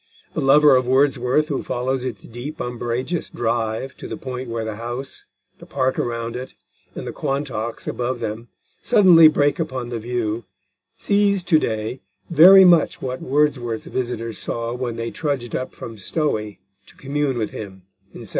The lover of Wordsworth who follows its deep umbrageous drive to the point where the house, the park around it, and the Quantocks above them suddenly break upon the view, sees to day very much what Wordsworth's visitors saw when they trudged up from Stowey to commune with him in 1797.